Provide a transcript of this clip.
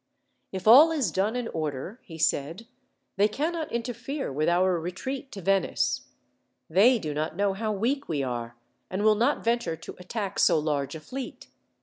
"If all is done in order," he said, "they cannot interfere with our retreat to Venice. They do not know how weak we are, and will not venture to attack so large a fleet.